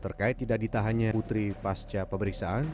terkait tidak ditahannya putri pasca pemeriksaan